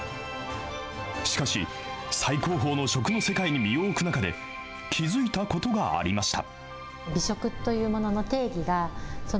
しかし、最高峰の食の世界に身を置く中で、気付いたことがありました。